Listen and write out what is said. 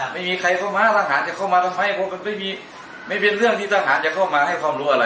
ไม่มีใครเข้ามาทหารจะเข้ามาทำไมคงไม่มีไม่เป็นเรื่องที่ทหารจะเข้ามาให้ความรู้อะไร